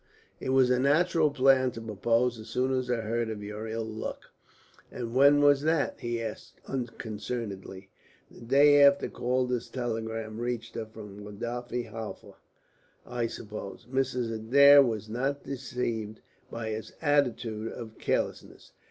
"It was a natural plan to propose as soon as I heard of your ill luck." "And when was that?" he asked unconcernedly. "The day after Calder's telegram reached her from Wadi Halfa, I suppose." Mrs. Adair was not deceived by his attitude of carelessness.